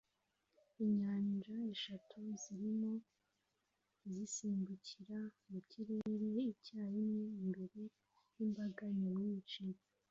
Inyanja eshatu zirimo zisimbukira mu kirere icyarimwe imbere y'imbaga nyamwinshi